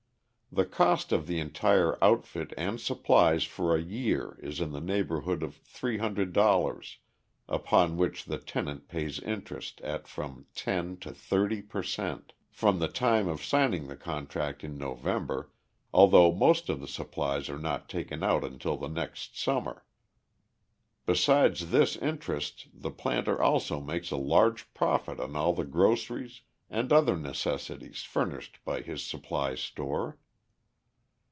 The cost of the entire outfit and supplies for a year is in the neighbourhood of $300, upon which the tenant pays interest at from 10 to 30 per cent. from the time of signing the contract in November, although most of the supplies are not taken out until the next summer. Besides this interest the planter also makes a large profit on all the groceries and other necessaries furnished by his supply store.